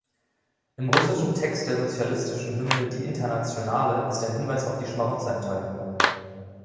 Im russischen Text der sozialistischen Hymne "Die Internationale" ist ein Hinweis auf die Schmarotzer enthalten.